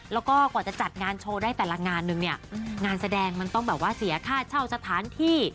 แล้วก็กว่าจะจัดงานโชว์ได้แต่ละงานนึงเนี่ยงานแสดงมันต้องแบบว่าเสียค่าเช่าสถานที่